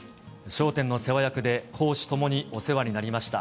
笑点の世話役で、公私ともにお世話になりました。